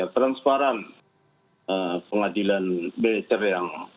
transparan pengadilan militer yang